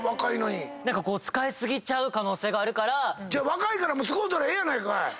若いから使うたらええやないかい！